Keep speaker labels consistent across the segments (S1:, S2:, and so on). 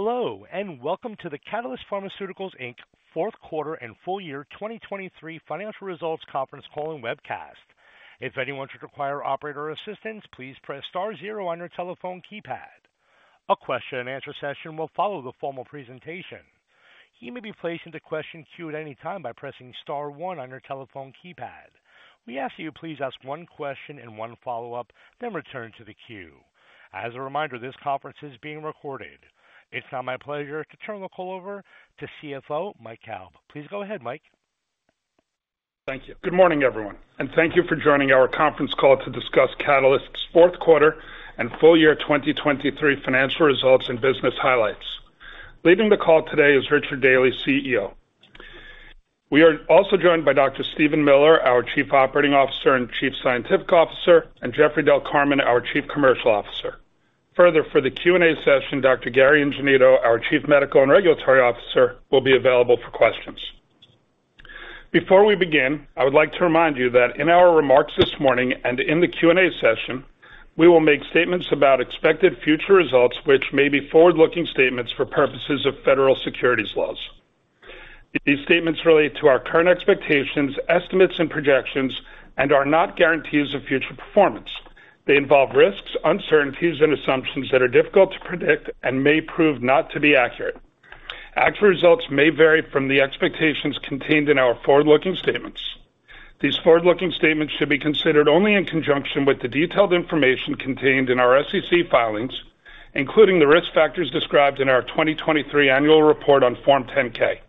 S1: Hello, and welcome to the Catalyst Pharmaceuticals, Inc fourth quarter and full year 2023 financial results conference call and webcast. If anyone should require operator assistance, please press star zero on your telephone keypad. A question-and-answer session will follow the formal presentation. You may be placed into question queue at any time by pressing star one on your telephone keypad. We ask that you please ask one question and one follow-up, then return to the queue. As a reminder, this conference is being recorded. It's now my pleasure to turn the call over to CFO, Mike Kalb. Please go ahead, Mike.
S2: Thank you. Good morning, everyone, and thank you for joining our conference call to discuss Catalyst's fourth quarter and full year 2023 financial results and business highlights. Leading the call today is Richard Daly, CEO. We are also joined by Dr. Steven Miller, our Chief Operating Officer and Chief Scientific Officer, and Jeffrey Del Carmen, our Chief Commercial Officer. Further, for the Q&A session, Dr. Gary Ingenito, our Chief Medical and Regulatory Officer, will be available for questions. Before we begin, I would like to remind you that in our remarks this morning and in the Q&A session, we will make statements about expected future results, which may be forward-looking statements for purposes of federal securities laws. These statements relate to our current expectations, estimates, and projections and are not guarantees of future performance. They involve risks, uncertainties, and assumptions that are difficult to predict and may prove not to be accurate. Actual results may vary from the expectations contained in our forward-looking statements. These forward-looking statements should be considered only in conjunction with the detailed information contained in our SEC filings, including the risk factors described in our 2023 annual report on Form 10-K.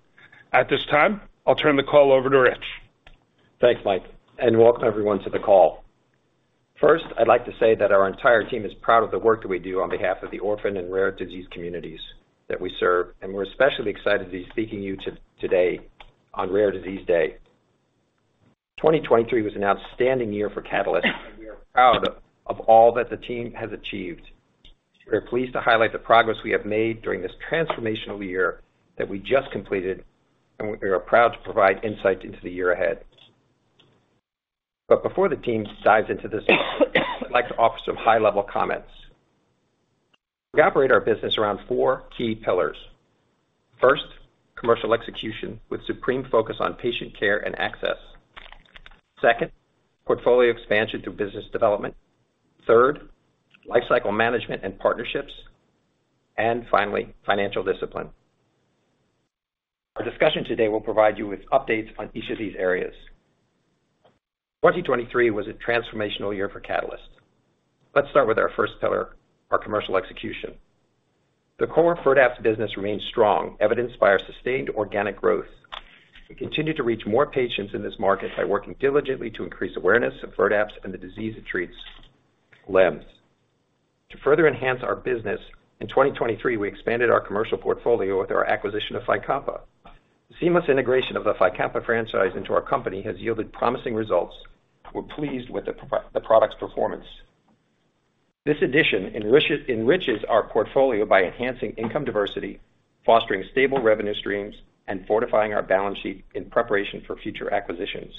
S2: At this time, I'll turn the call over to Rich.
S3: Thanks, Mike, and welcome everyone to the call. First, I'd like to say that our entire team is proud of the work that we do on behalf of the orphan and rare disease communities that we serve, and we're especially excited to be speaking to you today on Rare Disease Day. 2023 was an outstanding year for Catalyst, and we are proud of all that the team has achieved. We are pleased to highlight the progress we have made during this transformational year that we just completed, and we are proud to provide insights into the year ahead. But before the team dives into this, I'd like to offer some high-level comments. We operate our business around four key pillars. First, commercial execution with supreme focus on patient care and access. Second, portfolio expansion through business development. Third, lifecycle management and partnerships. And finally, financial discipline. Our discussion today will provide you with updates on each of these areas. 2023 was a transformational year for Catalyst. Let's start with our first pillar, our commercial execution. The core FIRDAPSE business remains strong, evidenced by our sustained organic growth. We continue to reach more patients in this market by working diligently to increase awareness of FIRDAPSE and the disease it treats, LEMS. To further enhance our business, in 2023, we expanded our commercial portfolio with our acquisition of FYCOMPA. Seamless integration of the FYCOMPA franchise into our company has yielded promising results. We're pleased with the product's performance. This addition enriches our portfolio by enhancing income diversity, fostering stable revenue streams, and fortifying our balance sheet in preparation for future acquisitions.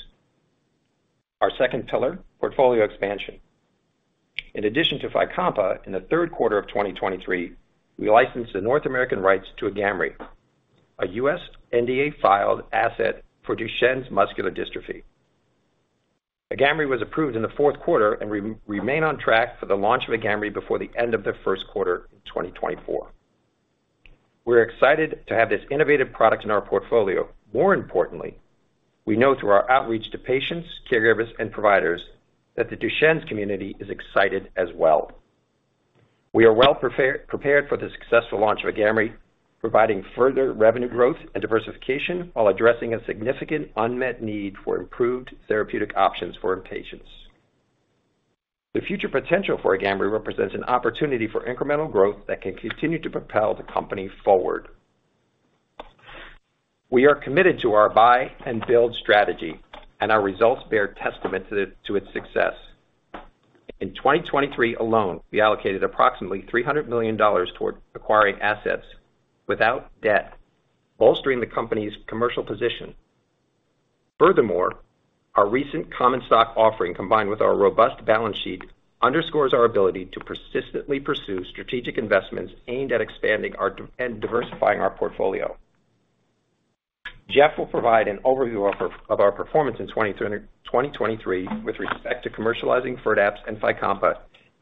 S3: Our second pillar, portfolio expansion. In addition to FYCOMPA, in the third quarter of 2023, we licensed the North American rights to AGAMREE, a U.S. NDA filed asset for Duchenne's muscular dystrophy. AGAMREE was approved in the fourth quarter and remain on track for the launch of AGAMREE before the end of the first quarter in 2024. We're excited to have this innovative product in our portfolio. More importantly, we know through our outreach to patients, caregivers, and providers that the Duchenne's community is excited as well. We are well prepared for the successful launch of AGAMREE, providing further revenue growth and diversification while addressing a significant unmet need for improved therapeutic options for patients. The future potential for AGAMREE represents an opportunity for incremental growth that can continue to propel the company forward. We are committed to our buy and build strategy, and our results bear testament to its success. In 2023 alone, we allocated approximately $300 million toward acquiring assets without debt, bolstering the company's commercial position. Furthermore, our recent common stock offering, combined with our robust balance sheet, underscores our ability to persistently pursue strategic investments aimed at expanding our and diversifying our portfolio. Jeff will provide an overview of our performance in 2023, with respect to commercializing FIRDAPSE and FYCOMPA,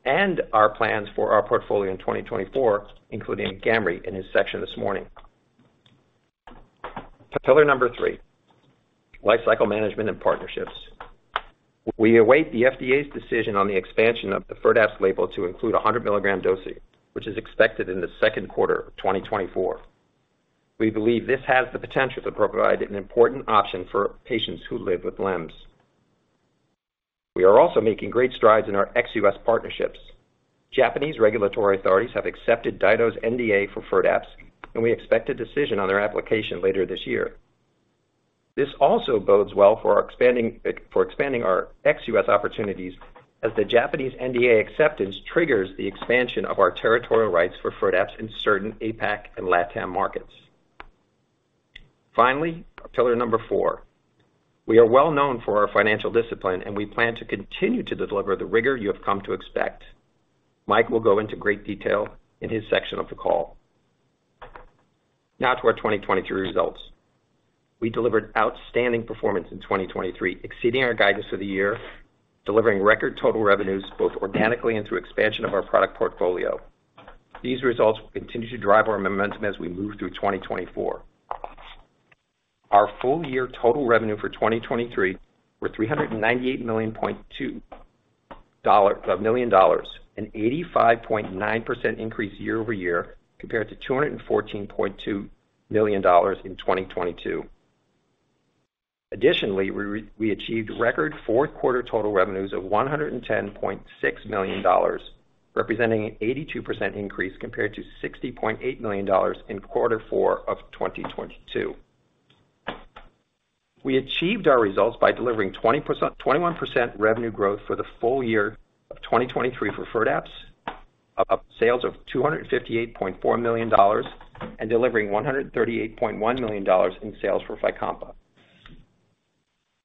S3: and our plans for our portfolio in 2024, including AGAMREE, in his section this morning. Pillar number three: lifecycle management and partnerships. We await the FDA's decision on the expansion of the FIRDAPSE label to include a 100 mg dosing, which is expected in the second quarter of 2024. We believe this has the potential to provide an important option for patients who live with LEMS. We are also making great strides in our ex-U.S. partnerships. Japanese regulatory authorities have accepted DyDo's NDA for FIRDAPSE, and we expect a decision on their application later this year. This also bodes well for our expanding ex-U.S. opportunities, as the Japanese NDA acceptance triggers the expansion of our territorial rights for FIRDAPSE in certain APAC and LATAM markets. Finally, pillar number four. We are well known for our financial discipline, and we plan to continue to deliver the rigor you have come to expect. Mike will go into great detail in his section of the call. Now to our 2023 results. We delivered outstanding performance in 2023, exceeding our guidance for the year, delivering record total revenues, both organically and through expansion of our product portfolio. These results will continue to drive our momentum as we move through 2024. Our full-year total revenue for 2023 were $398.2 million, an 85.9% increase year-over-year, compared to $214.2 million in 2022. Additionally, we achieved record fourth quarter total revenues of $110.6 million, representing an 82% increase compared to $60.8 million in quarter four of 2022. We achieved our results by delivering 21% revenue growth for the full year of 2023 for FIRDAPSE, of sales of $258.4 million, and delivering $138.1 million in sales for FYCOMPA.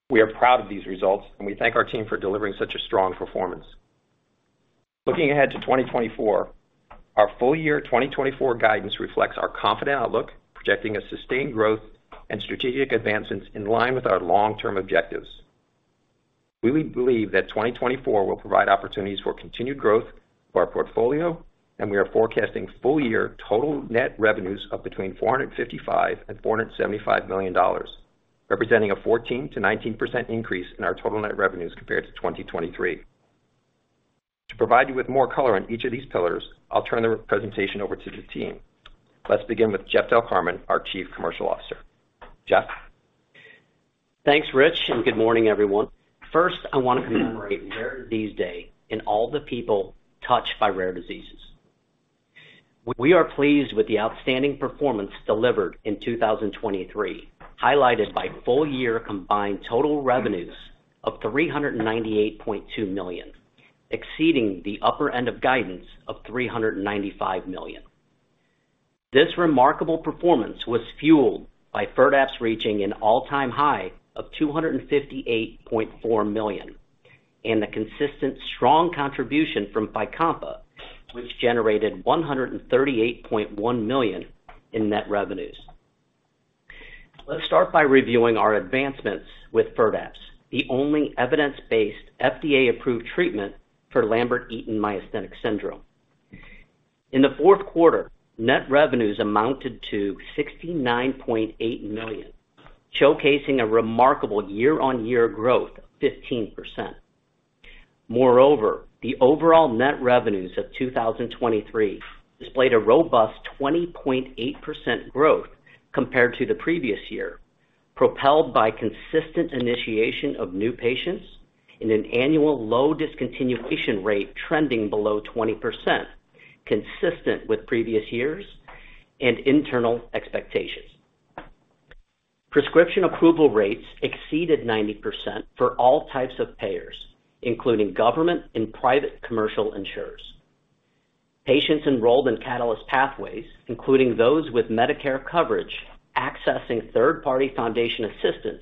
S3: We are proud of these results, and we thank our team for delivering such a strong performance. Looking ahead to 2024, our full-year 2024 guidance reflects our confident outlook, projecting a sustained growth and strategic advancements in line with our long-term objectives. We believe that 2024 will provide opportunities for continued growth of our portfolio, and we are forecasting full-year total net revenues of between $455 million and $475 million, representing a 14%-19% increase in our total net revenues compared to 2023. To provide you with more color on each of these pillars, I'll turn the presentation over to the team. Let's begin with Jeff Del Carmen, our Chief Commercial Officer. Jeff?
S4: Thanks, Rich, and good morning, everyone. First, I want to commemorate Rare Disease Day and all the people touched by rare diseases. We are pleased with the outstanding performance delivered in 2023, highlighted by full-year combined total revenues of $398.2 million, exceeding the upper end of guidance of $395 million. This remarkable performance was fueled by FIRDAPSE reaching an all-time high of $258.4 million, and the consistent strong contribution from FYCOMPA, which generated $138.1 million in net revenues. Let's start by reviewing our advancements with FIRDAPSE, the only evidence-based FDA-approved treatment for Lambert-Eaton myasthenic syndrome. In the fourth quarter, net revenues amounted to $69.8 million, showcasing a remarkable year-on-year growth of 15%. Moreover, the overall net revenues of 2023 displayed a robust 20.8% growth compared to the previous year, propelled by consistent initiation of new patients in an annual low discontinuation rate, trending below 20%, consistent with previous years and internal expectations. Prescription approval rates exceeded 90% for all types of payers, including government and private commercial insurers. Patients enrolled in Catalyst Pathways, including those with Medicare coverage, accessing third-party foundation assistance,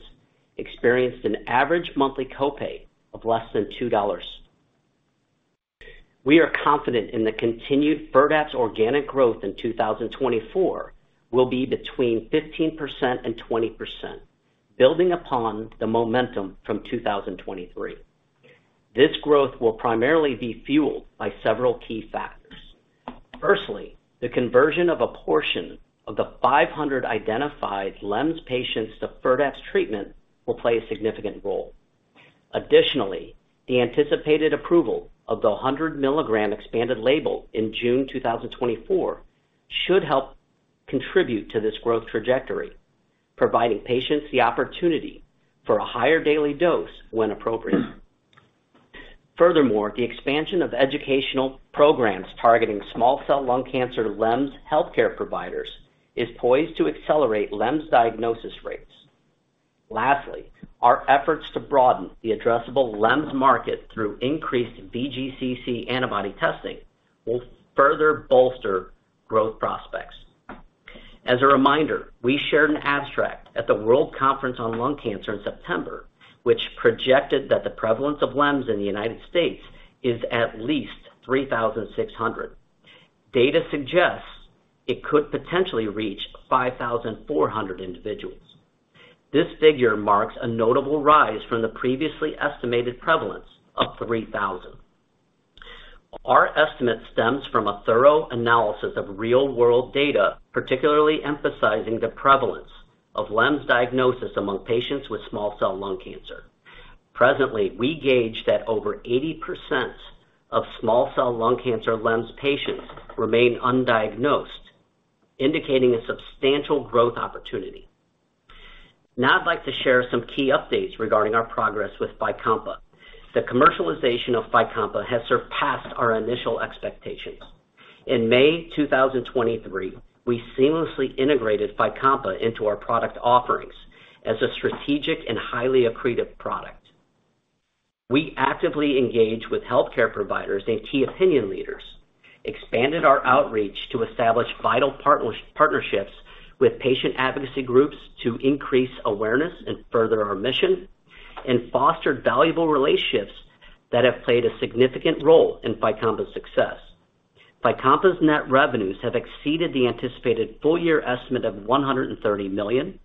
S4: experienced an average monthly copay of less than $2. We are confident in the continued FIRDAPSE organic growth in 2024 will be between 15% and 20%, building upon the momentum from 2023. This growth will primarily be fueled by several key factors. Firstly, the conversion of a portion of the 500 identified LEMS patients to FIRDAPSE treatment will play a significant role. Additionally, the anticipated approval of the 100 mg expanded label in June 2024 should help contribute to this growth trajectory, providing patients the opportunity for a higher daily dose when appropriate. Furthermore, the expansion of educational programs targeting small cell lung cancer LEMS healthcare providers is poised to accelerate LEMS diagnosis rates. Lastly, our efforts to broaden the addressable LEMS market through increased VGCC antibody testing will further bolster growth prospects. As a reminder, we shared an abstract at the World Conference on Lung Cancer in September, which projected that the prevalence of LEMS in the United States is at least 3,600. Data suggests it could potentially reach 5,400 individuals. This figure marks a notable rise from the previously estimated prevalence of 3,000. Our estimate stems from a thorough analysis of real-world data, particularly emphasizing the prevalence of LEMS diagnosis among patients with small cell lung cancer. Presently, we gauge that over 80% of small cell lung cancer LEMS patients remain undiagnosed, indicating a substantial growth opportunity. Now, I'd like to share some key updates regarding our progress with FYCOMPA. The commercialization of FYCOMPA has surpassed our initial expectations. In May 2023, we seamlessly integrated FYCOMPA into our product offerings as a strategic and highly accretive product. We actively engaged with healthcare providers and key opinion leaders, expanded our outreach to establish vital partnerships with patient advocacy groups to increase awareness and further our mission, and fostered valuable relationships that have played a significant role in FYCOMPA's success. FYCOMPA's net revenues have exceeded the anticipated full year estimate of $130 million,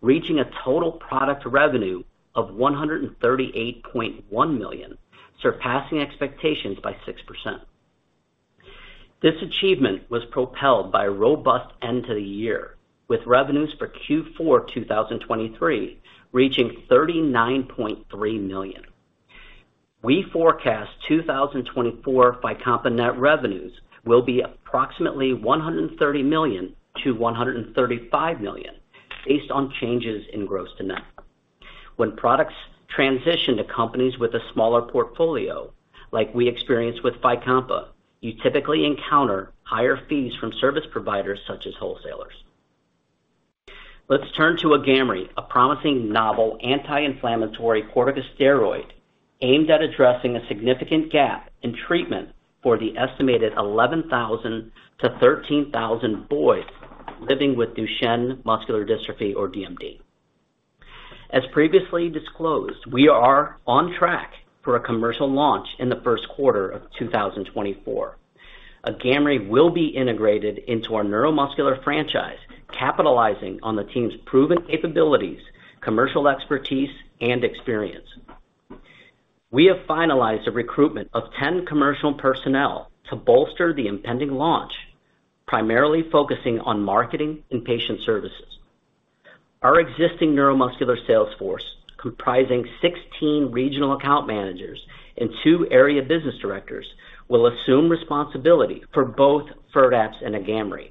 S4: reaching a total product revenue of $138.1 million, surpassing expectations by 6%. This achievement was propelled by a robust end to the year, with revenues for Q4 2023 reaching $39.3 million. We forecast 2024 FYCOMPA net revenues will be approximately $130 million-$135 million, based on changes in gross-to-net. When products transition to companies with a smaller portfolio, like we experienced with FYCOMPA, you typically encounter higher fees from service providers such as wholesalers. Let's turn to AGAMREE, a promising novel, anti-inflammatory corticosteroid, aimed at addressing a significant gap in treatment for the estimated 11,000 to 13,000 boys living with Duchenne muscular dystrophy or DMD. As previously disclosed, we are on track for a commercial launch in the first quarter of 2024. AGAMREE will be integrated into our neuromuscular franchise, capitalizing on the team's proven capabilities, commercial expertise, and experience. We have finalized a recruitment of 10 commercial personnel to bolster the impending launch, primarily focusing on marketing and patient services. Our existing neuromuscular sales force, comprising 16 regional account managers and two area business directors, will assume responsibility for both FIRDAPSE and AGAMREE.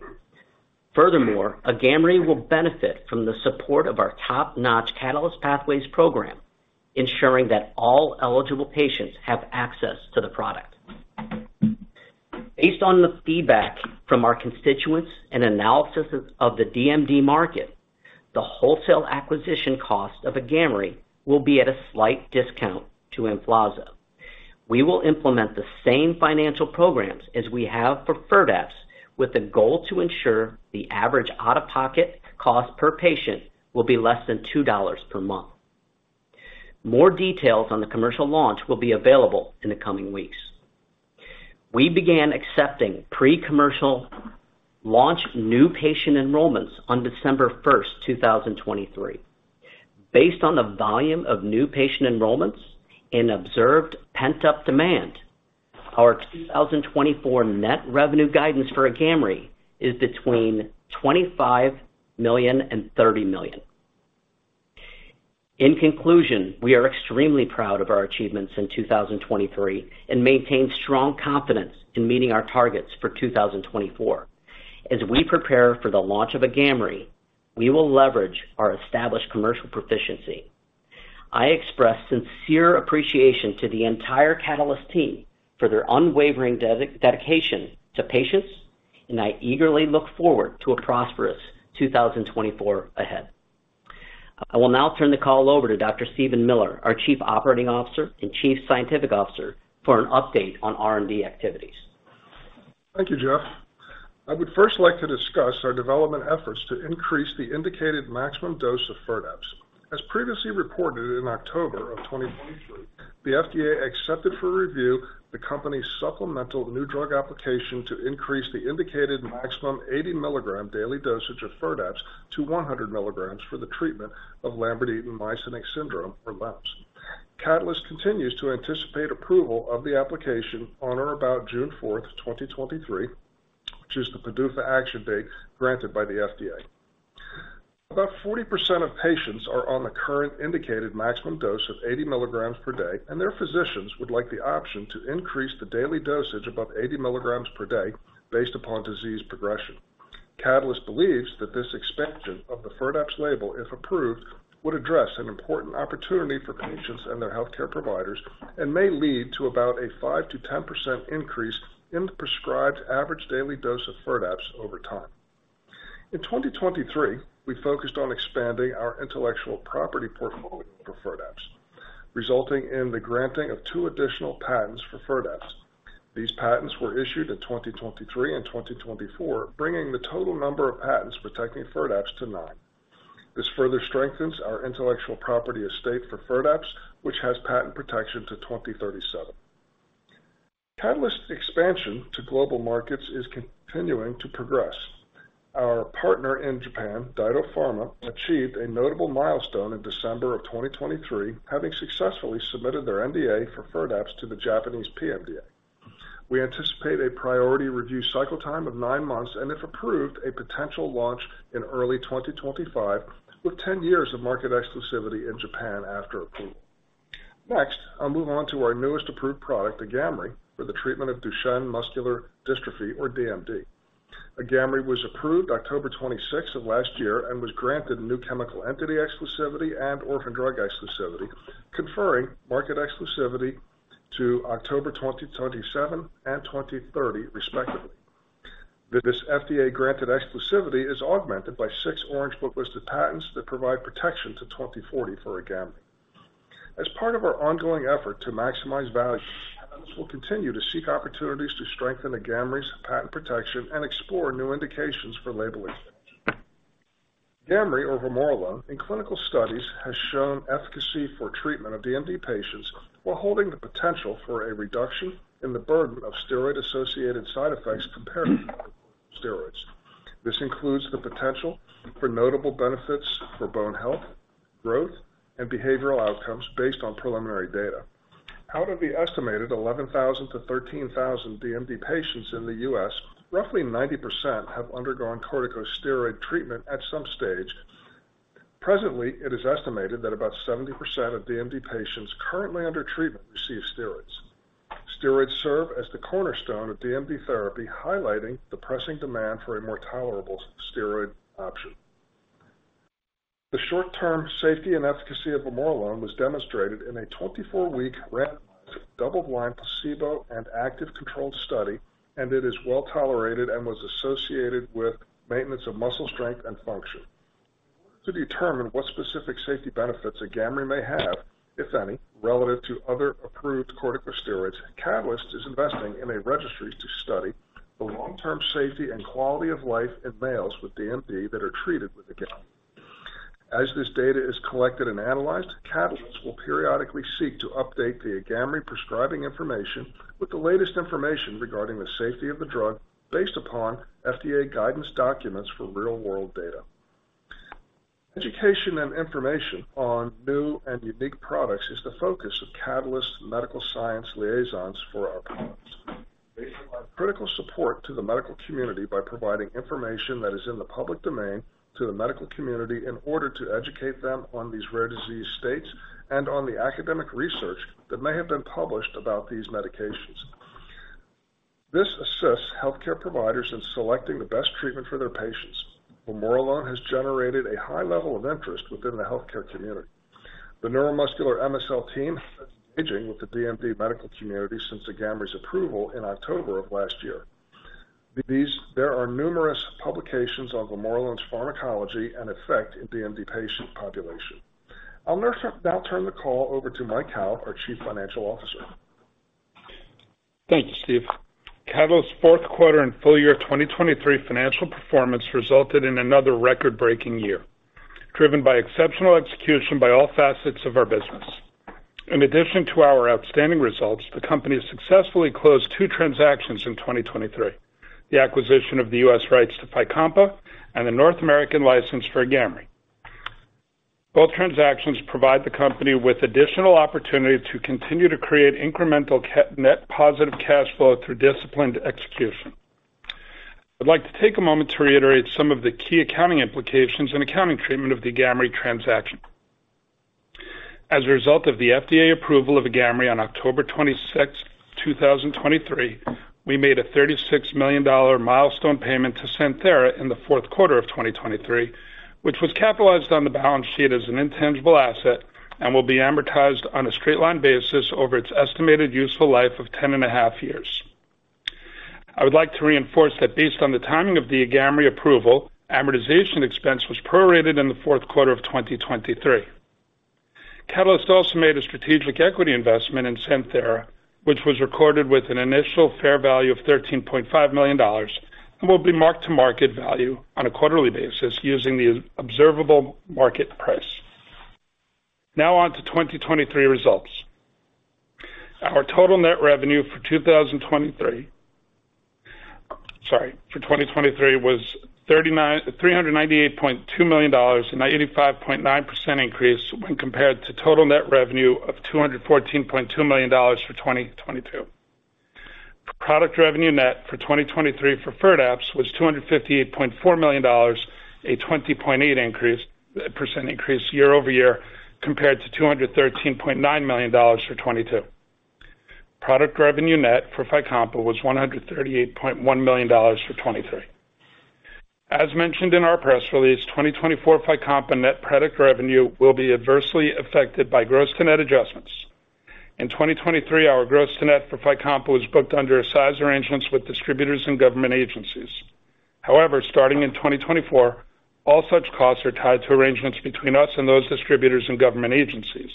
S4: Furthermore, AGAMREE will benefit from the support of our top-notch Catalyst Pathways program, ensuring that all eligible patients have access to the product. Based on the feedback from our constituents and analysis of the DMD market, the wholesale acquisition cost of AGAMREE will be at a slight discount to EMFLAZA. We will implement the same financial programs as we have for FIRDAPSE, with the goal to ensure the average out-of-pocket cost per patient will be less than $2 per month. More details on the commercial launch will be available in the coming weeks. We began accepting pre-commercial launch new patient enrollments on December 1, 2023. Based on the volume of new patient enrollments and observed pent-up demand, our 2024 net revenue guidance for AGAMREE is between $25 million and $30 million. In conclusion, we are extremely proud of our achievements in 2023, and maintain strong confidence in meeting our targets for 2024. As we prepare for the launch of AGAMREE, we will leverage our established commercial proficiency. I express sincere appreciation to the entire Catalyst team for their unwavering dedication to patients, and I eagerly look forward to a prosperous 2024 ahead. I will now turn the call over to Dr. Steven Miller, our Chief Operating Officer and Chief Scientific Officer, for an update on R&D activities.
S5: Thank you, Jeff. I would first like to discuss our development efforts to increase the indicated maximum dose of FIRDAPSE. As previously reported in October of 2023, the FDA accepted for review the company's supplemental new drug application to increase the indicated maximum 80 mg daily dosage of FIRDAPSE to 100 mg for the treatment of Lambert-Eaton myasthenic syndrome, or LEMS. Catalyst continues to anticipate approval of the application on or about June 4th, 2023, which is the PDUFA action date granted by the FDA. About 40% of patients are on the current indicated maximum dose of 80 mg per day, and their physicians would like the option to increase the daily dosage above 80 mg per day based upon disease progression. Catalyst believes that this expansion of the FIRDAPSE label, if approved, would address an important opportunity for patients and their healthcare providers, and may lead to about a 5%-10% increase in the prescribed average daily dose of FIRDAPSE over time. In 2023, we focused on expanding our intellectual property portfolio for FIRDAPSE, resulting in the granting of two additional patents for FIRDAPSE. These patents were issued in 2023 and 2024, bringing the total number of patents protecting FIRDAPSE to nine. This further strengthens our intellectual property estate for FIRDAPSE, which has patent protection to 2037. Catalyst expansion to global markets is continuing to progress. Our partner in Japan, DyDo Pharma, achieved a notable milestone in December of 2023, having successfully submitted their NDA for FIRDAPSE to the Japanese PMDA. We anticipate a priority review cycle time of nine months, and if approved, a potential launch in early 2025, with 10 years of market exclusivity in Japan after approval. Next, I'll move on to our newest approved product, AGAMREE, for the treatment of Duchenne muscular dystrophy, or DMD. AGAMREE was approved October 26 of last year and was granted new chemical entity exclusivity and orphan drug exclusivity, conferring market exclusivity to October 2027 and 2030, respectively. This FDA granted exclusivity is augmented by six Orange Book-listed patents that provide protection to 2040 for AGAMREE. As part of our ongoing effort to maximize value, we'll continue to seek opportunities to strengthen AGAMREE's patent protection and explore new indications for labeling. AGAMREE, or vamorolone, in clinical studies, has shown efficacy for treatment of DMD patients while holding the potential for a reduction in the burden of steroid-associated side effects compared to steroids. This includes the potential for notable benefits for bone health, growth, and behavioral outcomes based on preliminary data. Out of the estimated 11,000 to 13,000 DMD patients in the U.S., roughly 90% have undergone corticosteroid treatment at some stage. Presently, it is estimated that about 70% of DMD patients currently under treatment receive steroids. Steroids serve as the cornerstone of DMD therapy, highlighting the pressing demand for a more tolerable steroid option. The short-term safety and efficacy of vamorolone was demonstrated in a 24-week randomized, double-blind, placebo- and active-controlled study, and it is well tolerated and was associated with maintenance of muscle strength and function. To determine what specific safety benefits AGAMREE may have, if any, relative to other approved corticosteroids, Catalyst is investing in a registry to study the long-term safety and quality of life in males with DMD that are treated with AGAMREE. As this data is collected and analyzed, Catalyst will periodically seek to update the AGAMREE prescribing information with the latest information regarding the safety of the drug based upon FDA guidance documents for real-world data. Education and information on new and unique products is the focus of Catalyst Medical Science Liaisons for our products. They provide critical support to the medical community by providing information that is in the public domain to the medical community in order to educate them on these rare disease states and on the academic research that may have been published about these medications. This assists healthcare providers in selecting the best treatment for their patients. Vamorolone has generated a high level of interest within the healthcare community. The neuromuscular MSL team has been engaging with the DMD medical community since AGAMREE's approval in October of last year. There are numerous publications on vamorolone's pharmacology and effect in DMD patient population. I'll now turn the call over to Mike Kalb, our Chief Financial Officer.
S2: Thank you, Steve. Catalyst's fourth quarter and full year 2023 financial performance resulted in another record-breaking year, driven by exceptional execution by all facets of our business. In addition to our outstanding results, the company successfully closed two transactions in 2023, the acquisition of the U.S. rights to FYCOMPA and the North American license for AGAMREE. Both transactions provide the company with additional opportunity to continue to create incremental net positive cash flow through disciplined execution. I'd like to take a moment to reiterate some of the key accounting implications and accounting treatment of the AGAMREE transaction. As a result of the FDA approval of AGAMREE on October 26, 2023, we made a $36 million milestone payment to Santhera in the fourth quarter of 2023, which was capitalized on the balance sheet as an intangible asset and will be amortized on a straight line basis over its estimated useful life of 10.5 years. I would like to reinforce that based on the timing of the AGAMREE approval, amortization expense was prorated in the fourth quarter of 2023. Catalyst also made a strategic equity investment in Santhera, which was recorded with an initial fair value of $13.5 million and will be marked to market value on a quarterly basis using the observable market price. Now on to 2023 results. Our total net revenue for 2023, sorry, for 2023 was $398.2 million, an 85.9% increase when compared to total net revenue of $214.2 million for 2022. Product revenue net for 2023 for FIRDAPSE was $258.4 million, a 20.8% increase year-over-year, compared to $213.9 million for 2022. Product revenue net for FYCOMPA was $138.1 million for 2023. As mentioned in our press release, 2024 FYCOMPA net product revenue will be adversely affected by gross-to-net adjustments. In 2023, our gross-to-net for FYCOMPA was booked under Eisai arrangements with distributors and government agencies. However, starting in 2024, all such costs are tied to arrangements between us and those distributors and government agencies.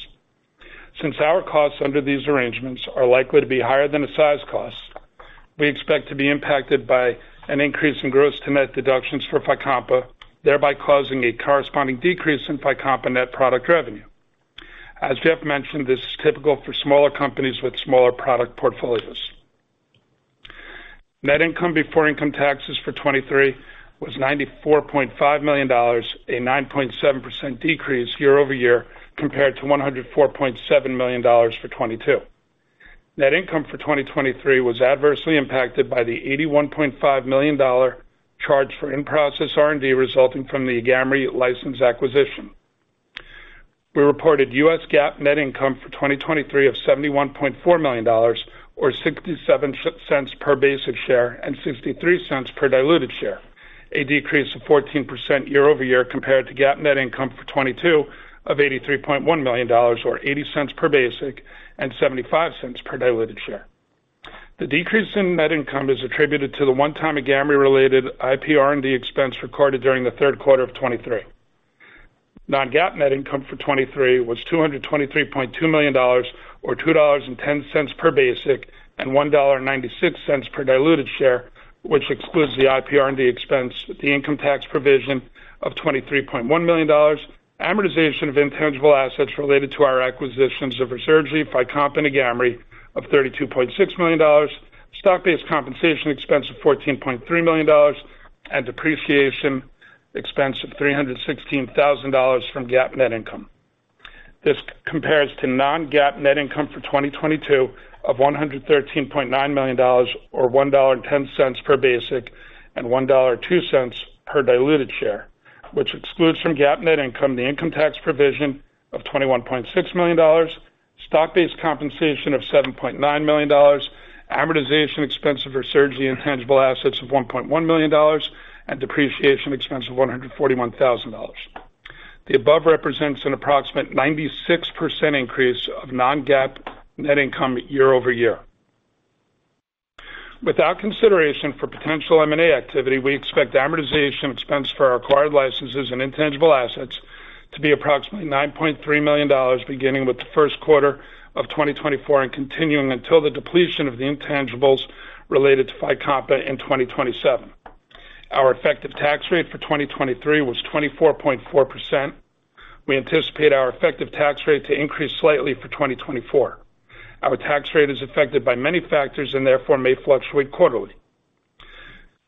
S2: Since our costs under these arrangements are likely to be higher than the size costs, we expect to be impacted by an increase in gross-to-net deductions for FYCOMPA, thereby causing a corresponding decrease in FYCOMPA net product revenue. As Jeff mentioned, this is typical for smaller companies with smaller product portfolios. Net income before income taxes for 2023 was $94.5 million, a 9.7% decrease year-over-year compared to $104.7 million for 2022. Net income for 2023 was adversely impacted by the $81.5 million charge for in-process R&D, resulting from the AGAMREE license acquisition. We reported U.S. GAAP net income for 2023 of $71.4 million, or $0.67 per basic share and $0.63 per diluted share. A decrease of 14% year-over-year compared to GAAP net income for 2022 of $83.1 million, or $0.80 per basic and $0.75 per diluted share. The decrease in net income is attributed to the one-time AGAMREE-related IPR&D expense recorded during the third quarter of 2023. Non-GAAP net income for 2023 was $223.2 million, or $2.10 per basic, and $1.96 per diluted share, which excludes the IP R&D expense, the income tax provision of $23.1 million, amortization of intangible assets related to our acquisitions of Ruzurgi, FYCOMPA, and AGAMREE of $32.6 million, stock-based compensation expense of $14.3 million, and depreciation expense of $316,000 from GAAP net income. This compares to non-GAAP net income for 2022 of $113.9 million, or $1.10 per basic, and $1.02 per diluted share, which excludes from GAAP net income the income tax provision of $21.6 million, stock-based compensation of $7.9 million, amortization expense for Ruzurgi intangible assets of $1.1 million, and depreciation expense of $141,000. The above represents an approximate 96% increase of non-GAAP net income year-over-year. Without consideration for potential M&A activity, we expect amortization expense for our acquired licenses and intangible assets to be approximately $9.3 million, beginning with the first quarter of 2024 and continuing until the depletion of the intangibles related to FYCOMPA in 2027. Our effective tax rate for 2023 was 24.4%. We anticipate our effective tax rate to increase slightly for 2024. Our tax rate is affected by many factors and therefore, may fluctuate quarterly.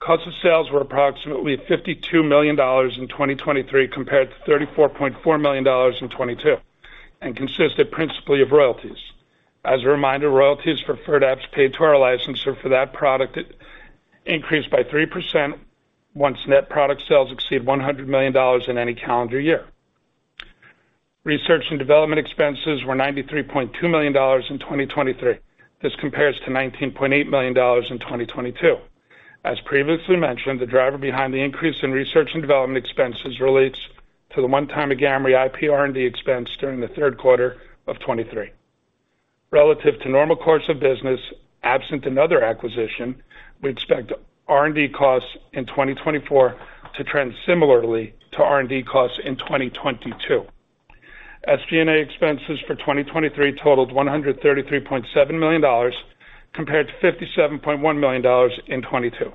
S2: Cost of sales were approximately $52 million in 2023, compared to $34.4 million in 2022, and consisted principally of royalties. As a reminder, royalties for FIRDAPSE paid to our licensor for that product increased by 3%, once net product sales exceed $100 million in any calendar year. Research and development expenses were $93.2 million in 2023. This compares to $19.8 million in 2022. As previously mentioned, the driver behind the increase in research and development expenses relates to the one-time AGAMREE IPR&D expense during the third quarter of 2023. Relative to normal course of business, absent another acquisition, we expect R&D costs in 2024 to trend similarly to R&D costs in 2022. SG&A expenses for 2023 totaled $133.7 million, compared to $57.1 million in 2022.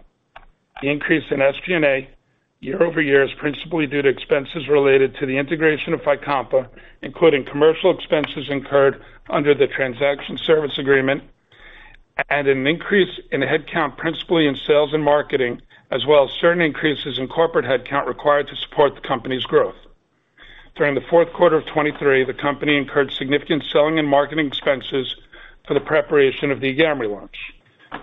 S2: The increase in SG&A year-over-year is principally due to expenses related to the integration of FYCOMPA, including commercial expenses incurred under the Transition Service Agreement, and an increase in headcount, principally in sales and marketing, as well as certain increases in corporate headcount required to support the company's growth. During the fourth quarter of 2023, the company incurred significant selling and marketing expenses for the preparation of the AGAMREE launch.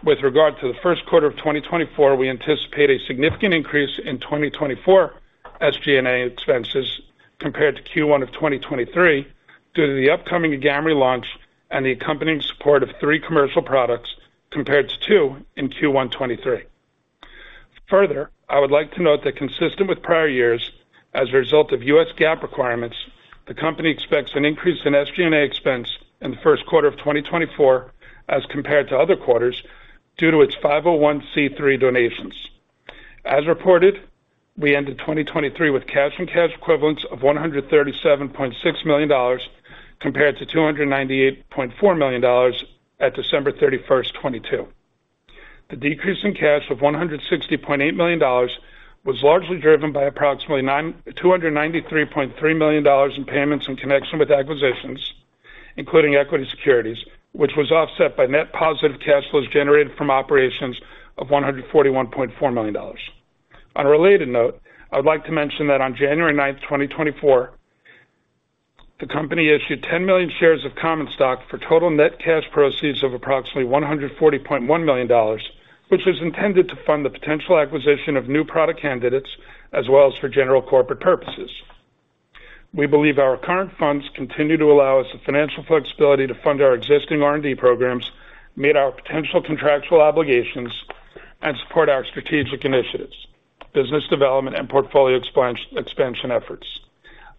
S2: With regard to the first quarter of 2024, we anticipate a significant increase in 2024 SG&A expenses compared to Q1 of 2023, due to the upcoming AGAMREE launch and the accompanying support of three commercial products compared to two in Q1 2023. Further, I would like to note that consistent with prior years, as a result of U.S. GAAP requirements, the company expects an increase in SG&A expense in the first quarter of 2024 as compared to other quarters, due to its 501(c)(3) donations. As reported, we ended 2023 with cash and cash equivalents of $137.6 million, compared to $298.4 million at December 31, 2022. The decrease in cash of $160.8 million was largely driven by approximately $293.3 million in payments in connection with acquisitions, including equity securities, which was offset by net positive cash flows generated from operations of $141.4 million. On a related note, I would like to mention that on January 9, 2024, the company issued 10 million shares of common stock for total net cash proceeds of approximately $140.1 million, which is intended to fund the potential acquisition of new product candidates, as well as for general corporate purposes. We believe our current funds continue to allow us the financial flexibility to fund our existing R&D programs, meet our potential contractual obligations, and support our strategic initiatives, business development, and portfolio expansion, expansion efforts,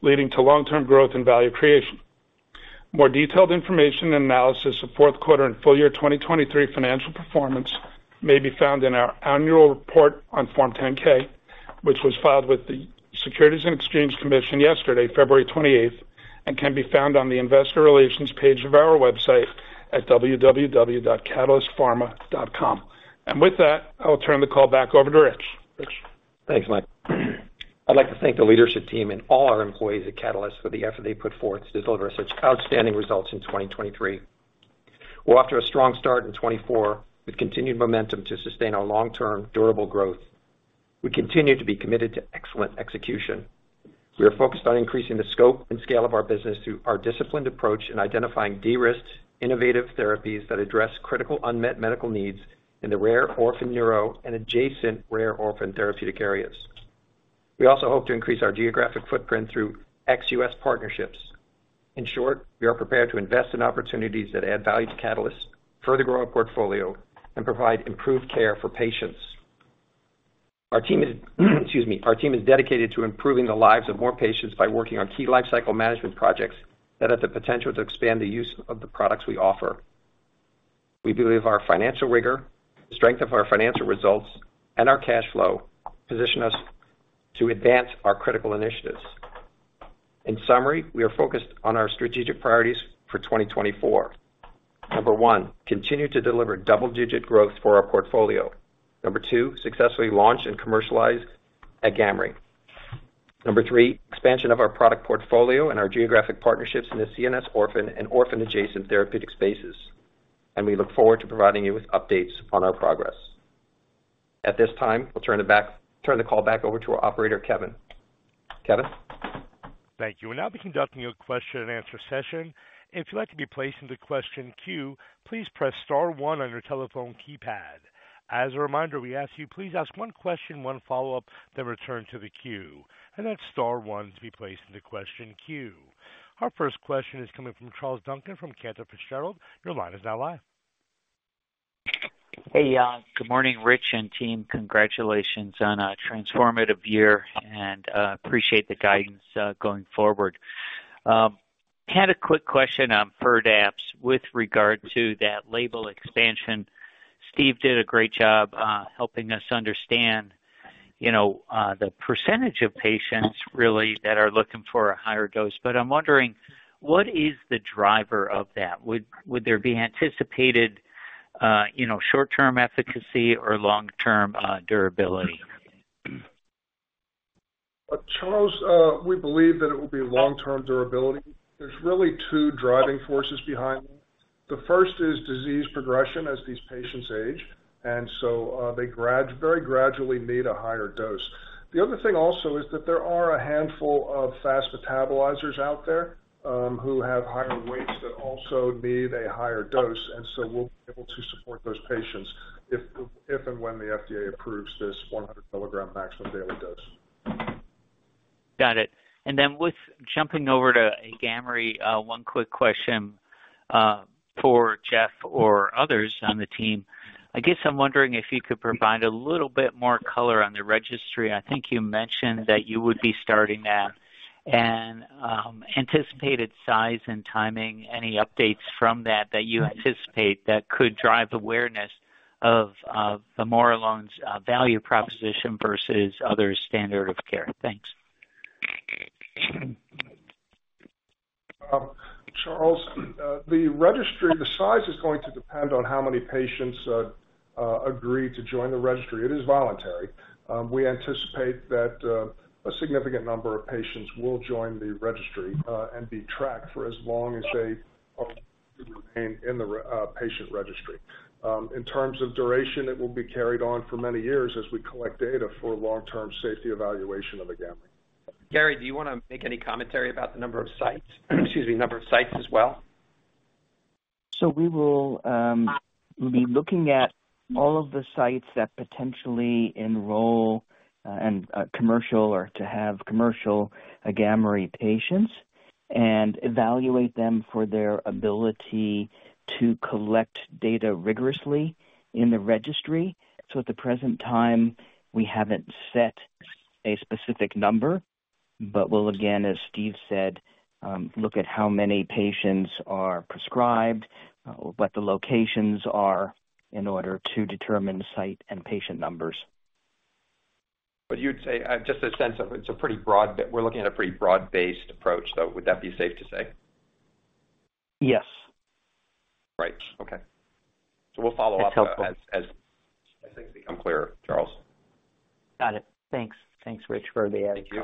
S2: leading to long-term growth and value creation. More detailed information and analysis of fourth quarter and full year 2023 financial performance may be found in our annual report on Form 10-K, which was filed with the Securities and Exchange Commission yesterday, February 28, and can be found on the Investor Relations page of our website at www.catalystpharma.com. And with that, I'll turn the call back over to Rich. Rich?
S3: Thanks, Mike. I'd like to thank the leadership team and all our employees at Catalyst for the effort they put forth to deliver such outstanding results in 2023. We're off to a strong start in 2024, with continued momentum to sustain our long-term durable growth. We continue to be committed to excellent execution. We are focused on increasing the scope and scale of our business through our disciplined approach in identifying de-risked innovative therapies that address critical unmet medical needs in the rare orphan neuro and adjacent rare orphan therapeutic areas. We also hope to increase our geographic footprint through ex-U.S. partnerships. In short, we are prepared to invest in opportunities that add value to Catalyst, further grow our portfolio, and provide improved care for patients. Our team is, excuse me, our team is dedicated to improving the lives of more patients by working on key lifecycle management projects that have the potential to expand the use of the products we offer. We believe our financial rigor, strength of our financial results, and our cash flow position us to advance our critical initiatives. In summary, we are focused on our strategic priorities for 2024. Number one, continue to deliver double-digit growth for our portfolio. Number two, successfully launch and commercialize AGAMREE. Number three, expansion of our product portfolio and our geographic partnerships in the CNS orphan and orphan adjacent therapeutic spaces. And we look forward to providing you with updates on our progress. At this time, I'll turn it back-- turn the call back over to our operator, Kevin. Kevin?
S1: Thank you. We'll now be conducting a question-and-answer session. If you'd like to be placed in the question queue, please press star one on your telephone keypad. As a reminder, we ask you, please ask one question, one follow-up, then return to the queue. And that's star one to be placed in the question queue. Our first question is coming from Charles Duncan from Cantor Fitzgerald. Your line is now live.
S6: Hey, good morning, Rich and team. Congratulations on a transformative year, and appreciate the guidance going forward. Had a quick question on FIRDAPSE with regard to that label expansion. Steve did a great job helping us understand, you know, the percentage of patients really that are looking for a higher dose. But I'm wondering, what is the driver of that? Would there be anticipated, you know, short-term efficacy or long-term durability?
S5: Charles, we believe that it will be long-term durability. There's really two driving forces behind it. The first is disease progression as these patients age, and so they very gradually need a higher dose. The other thing also is that there are a handful of fast metabolizers out there who have higher weights but also need a higher dose, and so we'll be able to support those patients if and when the FDA approves this 100 mg maximum daily dose.
S6: Got it. And then with jumping over to AGAMREE, one quick question, for Jeff or others on the team. I guess I'm wondering if you could provide a little bit more color on the registry. I think you mentioned that you would be starting that. And, anticipated size and timing, any updates from that that you anticipate that could drive awareness of, of vamorolone's, value proposition versus other standard of care? Thanks.
S5: Charles, the registry, the size is going to depend on how many patients agree to join the registry. It is voluntary. We anticipate that a significant number of patients will join the registry and be tracked for as long as they remain in the patient registry. In terms of duration, it will be carried on for many years as we collect data for long-term safety evaluation of AGAMREE.
S3: Gary, do you want to make any commentary about the number of sites? Excuse me, number of sites as well?
S7: So we will be looking at all of the sites that potentially enroll and commercial or to have commercial AGAMREE patients and evaluate them for their ability to collect data rigorously in the registry. So at the present time, we haven't set a specific number, but we'll, again, as Steve said, look at how many patients are prescribed, what the locations are, in order to determine the site and patient numbers.
S3: But you'd say, just a sense of it's a pretty broad. We're looking at a pretty broad-based approach, though. Would that be safe to say?
S7: Yes.
S3: Right. Okay. So we'll follow up-
S7: That's helpful.
S3: As things become clearer, Charles.
S6: Got it. Thanks. Thanks, Rich, for the added info.
S3: Thank you.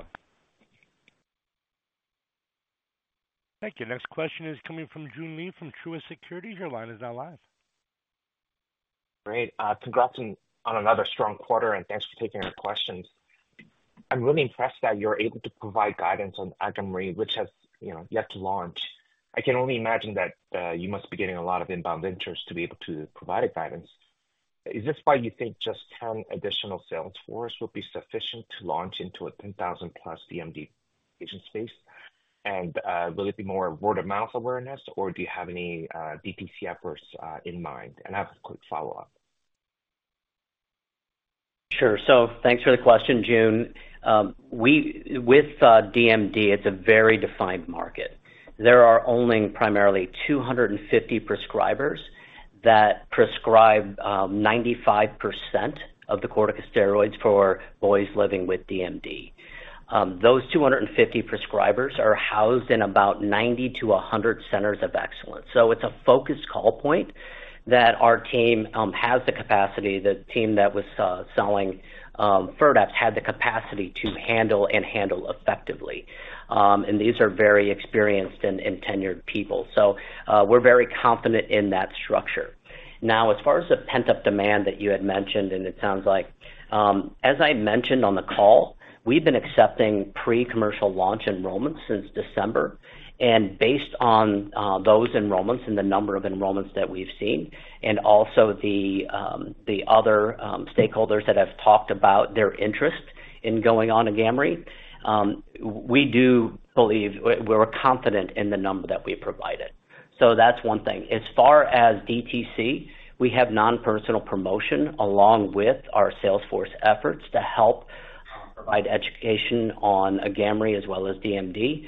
S1: Thank you. Next question is coming from Joon Lee, from Truist Securities. Your line is now live.
S8: Great. Congrats on another strong quarter, and thanks for taking our questions. I'm really impressed that you're able to provide guidance on AGAMREE, which has, you know, yet to launch. I can only imagine that you must be getting a lot of inbound ventures to be able to provide a guidance. Is this why you think just 10 additional sales force will be sufficient to launch into a 10,000+ DMD patient space? And will it be more word-of-mouth awareness, or do you have any DTC efforts in mind? And I have a quick follow-up.
S4: Sure. So thanks for the question, Joon. With DMD, it's a very defined market. There are only primarily 250 prescribers that prescribe 95% of the corticosteroids for boys living with DMD. Those 250 prescribers are housed in about 90 to 100 centers of excellence. So it's a focused call point that our team has the capacity, the team that was selling FIRDAPSE, had the capacity to handle and handle effectively. And these are very experienced and tenured people. So, we're very confident in that structure. Now, as far as the pent-up demand that you had mentioned, and it sounds like, as I mentioned on the call, we've been accepting pre-commercial launch enrollments since December, and based on, those enrollments and the number of enrollments that we've seen, and also the, the other, stakeholders that have talked about their interest in going on AGAMREE, w-we do believe, we-we're confident in the number that we provided. So that's one thing. As far as DTC, we have non-personal promotion along with our salesforce efforts to help, provide education on AGAMREE as well as DMD,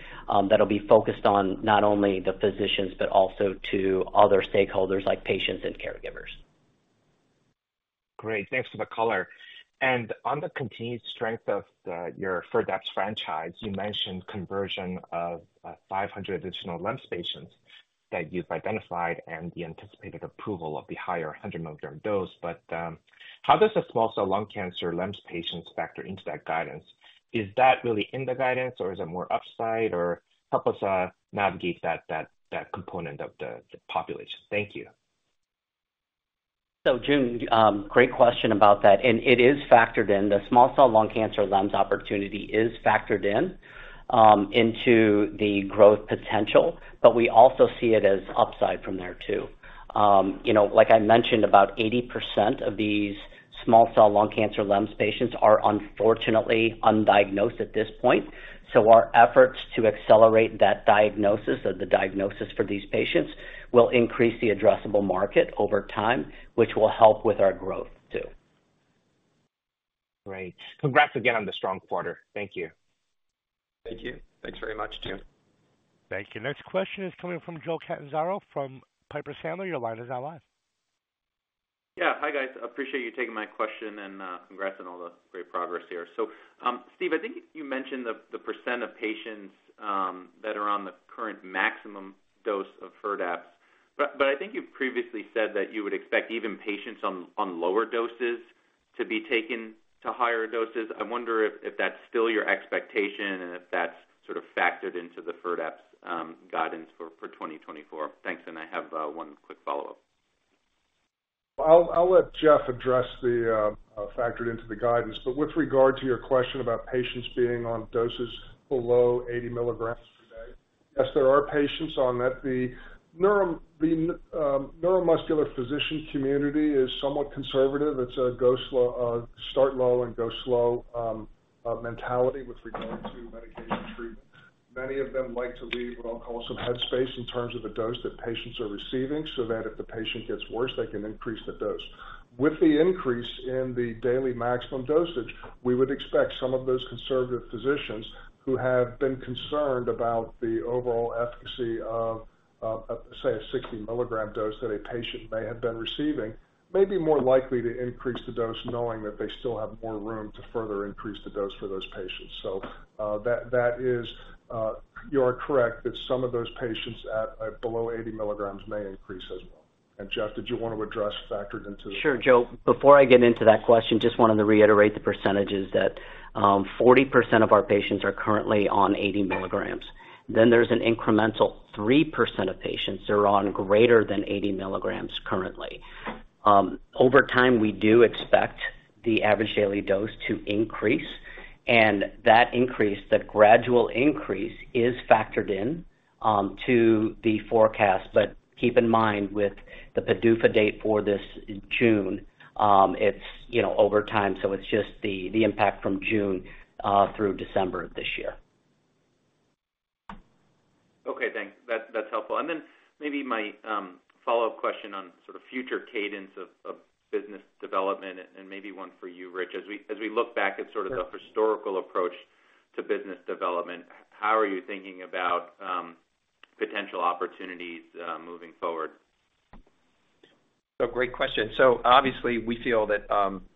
S4: that'll be focused on not only the physicians, but also to other stakeholders like patients and caregivers.
S8: Great. Thanks for the color. And on the continued strength of the, your FIRDAPSE franchise, you mentioned conversion of 500 additional LEMS patients that you've identified and the anticipated approval of the higher 100 mg dose. But, how does the small cell lung cancer LEMS patients factor into that guidance? Is that really in the guidance, or is it more upside, or help us navigate that, that, that component of the, the population? Thank you.
S4: So, Joon, great question about that, and it is factored in. The small cell lung cancer LEMS opportunity is factored in, into the growth potential, but we also see it as upside from there, too. You know, like I mentioned, about 80% of these small cell lung cancer LEMS patients are unfortunately undiagnosed at this point, so our efforts to accelerate that diagnosis, or the diagnosis for these patients, will increase the addressable market over time, which will help with our growth, too.
S8: Great. Congrats again on the strong quarter. Thank you.
S4: Thank you. Thanks very much, Joon.
S1: Thank you. Next question is coming from Joe Catanzaro from Piper Sandler. Your line is now live.
S9: Yeah. Hi, guys. Appreciate you taking my question, and congrats on all the great progress here. So, Steve, I think you mentioned the percent of patients that are on the current maximum dose of FIRDAPSE. But I think you previously said that you would expect even patients on lower doses to be taken to higher doses. I wonder if that's still your expectation and if that's sort of factored into the FIRDAPSE guidance for 2024. Thanks, and I have one quick follow-up.
S5: I'll let Jeff address the factored into the guidance. But with regard to your question about patients being on doses below 80 mg per day, yes, there are patients on that. The neuromuscular physician community is somewhat conservative. It's a go slow, start low and go slow mentality with regard to medication treatment. Many of them like to leave what I'll call some head space in terms of the dose that patients are receiving, so that if the patient gets worse, they can increase the dose. With the increase in the daily maximum dosage, we would expect some of those conservative physicians who have been concerned about the overall efficacy of, say, a 60 mg dose that a patient may have been receiving, may be more likely to increase the dose, knowing that they still have more room to further increase the dose for those patients. So, that, that is, you are correct, that some of those patients at below 80 mg may increase as well. And, Jeff, did you want to address factored into the—
S4: Sure, Joe. Before I get into that question, just wanted to reiterate the percentages that 40% of our patients are currently on 80 mg. Then there's an incremental 3% of patients that are on greater than 80 mg currently. Over time, we do expect the average daily dose to increase, and that increase, that gradual increase is factored in to the forecast. But keep in mind, with the PDUFA date for this June, it's, you know, over time, so it's just the impact from June through December this year.
S9: Okay, thanks. That's, that's helpful. And then maybe my follow-up question on sort of future cadence of business development and maybe one for you, Rich. As we look back at sort of the historical approach to business development, how are you thinking about potential opportunities moving forward?
S3: So great question. So obviously, we feel that,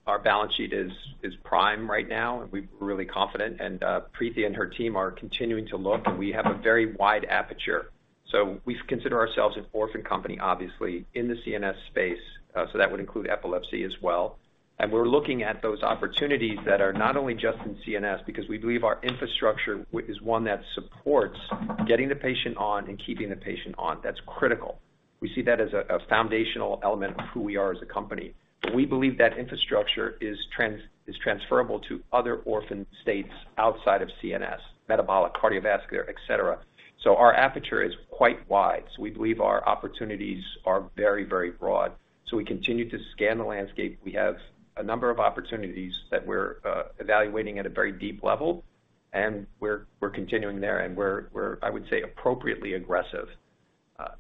S3: our balance sheet is, is prime right now, and we're really confident. And, Preeti and her team are continuing to look. We have a very wide aperture, so we consider ourselves an orphan company, obviously, in the CNS space, so that would include epilepsy as well. And we're looking at those opportunities that are not only just in CNS, because we believe our infrastructure is one that supports getting the patient on and keeping the patient on. That's critical. We see that as a, a foundational element of who we are as a company. We believe that infrastructure is transferable to other orphan states outside of CNS, metabolic, cardiovascular, et cetera. So our aperture is quite wide, so we believe our opportunities are very, very broad. So we continue to scan the landscape. We have a number of opportunities that we're evaluating at a very deep level, and we're, I would say, appropriately aggressive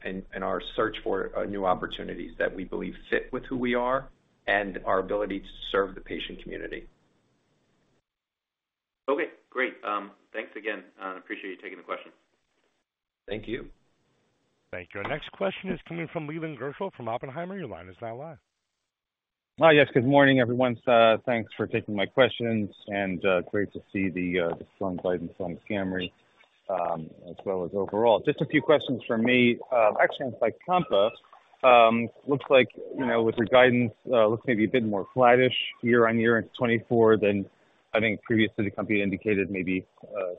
S3: in our search for new opportunities that we believe fit with who we are and our ability to serve the patient community.
S9: Okay, great. Thanks again. Appreciate you taking the question.
S3: Thank you.
S1: Thank you. Our next question is coming from Leland Gershell from Oppenheimer. Your line is now live.
S10: Hi, yes, good morning, everyone. Thanks for taking my questions, and great to see the strong guidance on AGAMREE, as well as overall. Just a few questions from me. Actually, on FYCOMPA, looks like, you know, with your guidance, looks maybe a bit more flattish year-over-year in 2024 than- I think previously the company indicated maybe,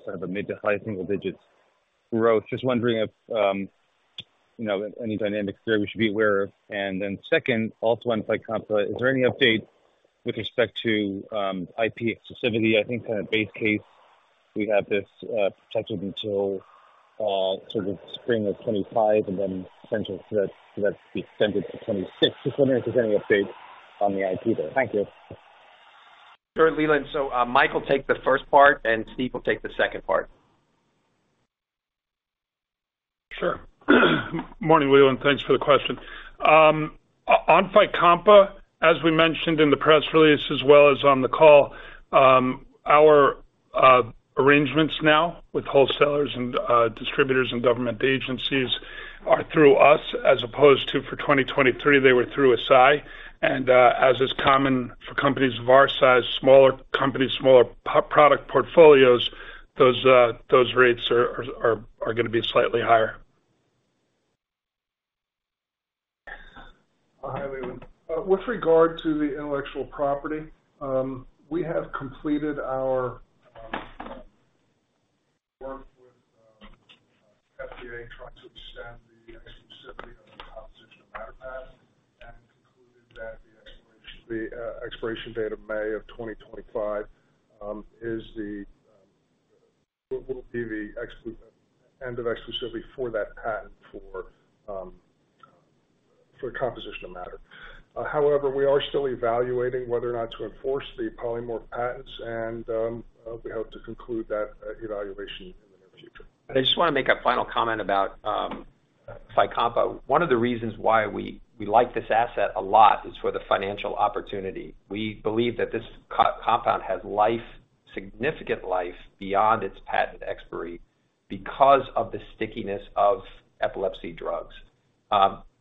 S10: sort of a mid to high single digits growth. Just wondering if, you know, any dynamics there we should be aware of? And then second, also on FYCOMPA, is there any update with respect to, IP exclusivity? I think kind of base case, we have this, protected until, sort of spring of 2025 and then potential for that to be extended to 2026. Just wondering if there's any update on the IP there. Thank you.
S3: Sure, Leland. So, Mike will take the first part, and Steve will take the second part.
S2: Sure. Morning, Leland. Thanks for the question. On FYCOMPA, as we mentioned in the press release, as well as on the call, our arrangements now with wholesalers and distributors and government agencies are through us, as opposed to for 2023, they were through Eisai. And, as is common for companies of our size, smaller companies, smaller product portfolios, those rates are gonna be slightly higher.
S5: Hi, Leland. With regard to the intellectual property, we have completed our work with FDA, trying to extend the exclusivity of the composition of matter patent, and concluded that the expiration, the expiration date of May of 2025, is the will be the end of exclusivity for that patent for composition of matter. However, we are still evaluating whether or not to enforce the polymorph patents, and we hope to conclude that evaluation in the near future.
S3: I just wanna make a final comment about FYCOMPA. One of the reasons why we, we like this asset a lot is for the financial opportunity. We believe that this compound has life, significant life, beyond its patent expiry because of the stickiness of epilepsy drugs.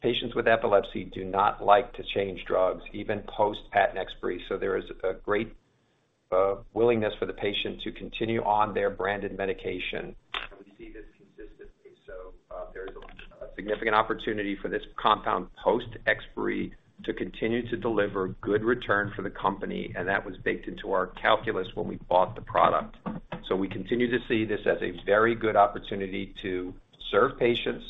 S3: Patients with epilepsy do not like to change drugs, even post-patent expiry, so there is a great willingness for the patient to continue on their branded medication. And we see this consistently. So, there's a significant opportunity for this compound, post-expiry, to continue to deliver good return for the company, and that was baked into our calculus when we bought the product. So we continue to see this as a very good opportunity to serve patients,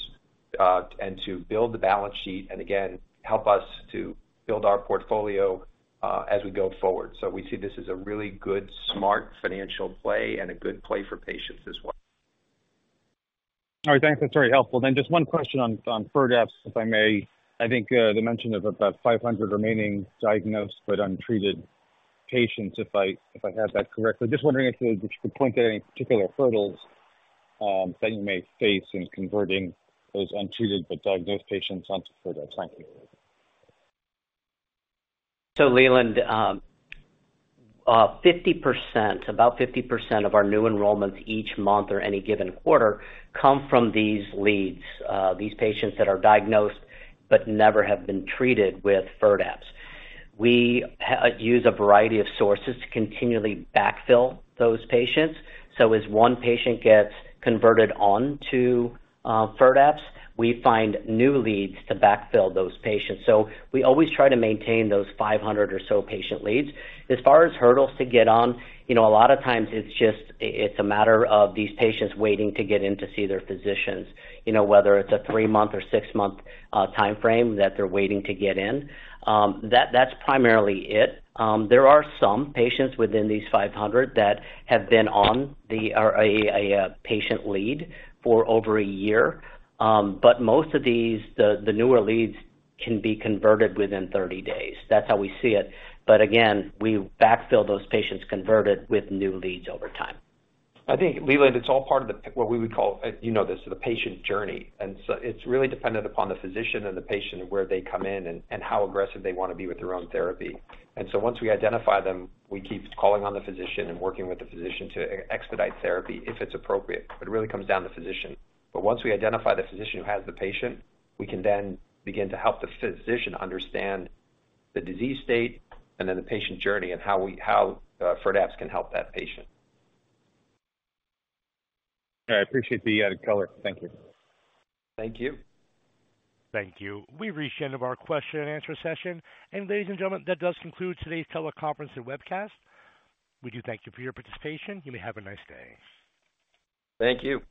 S3: and to build the balance sheet, and again, help us to build our portfolio, as we go forward. We see this as a really good, smart financial play and a good play for patients as well.
S10: All right, thanks. That's very helpful. Then just one question on FIRDAPSE, if I may. I think the mention of about 500 remaining diagnosed but untreated patients, if I have that correctly. Just wondering if you could point to any particular hurdles that you may face in converting those untreated but diagnosed patients onto FIRDAPSE. Thank you.
S4: So Leland, 50%, about 50% of our new enrollments each month or any given quarter come from these leads, these patients that are diagnosed but never have been treated with FIRDAPSE. We use a variety of sources to continually backfill those patients. So as one patient gets converted onto FIRDAPSE, we find new leads to backfill those patients. So we always try to maintain those 500 or so patient leads. As far as hurdles to get on, you know, a lot of times it's just, it, it's a matter of these patients waiting to get in to see their physicians, you know, whether it's a three-month or six-month timeframe that they're waiting to get in. That, that's primarily it. There are some patients within these 500 that have been on the...or a patient lead for over a year. But most of these, the newer leads can be converted within 30 days. That's how we see it. But again, we backfill those patients converted with new leads over time.
S3: I think, Leland, it's all part of the, what we would call, you know this, the patient journey, and so it's really dependent upon the physician and the patient, where they come in, and how aggressive they wanna be with their own therapy. And so once we identify them, we keep calling on the physician and working with the physician to expedite therapy, if it's appropriate. It really comes down to the physician. But once we identify the physician who has the patient, we can then begin to help the physician understand the disease state and then the patient journey, and how FIRDAPSE can help that patient.
S10: I appreciate the color. Thank you.
S3: Thank you.
S1: Thank you. We've reached the end of our question and answer session. Ladies and gentlemen, that does conclude today's teleconference and webcast. We do thank you for your participation. You may have a nice day.
S3: Thank you.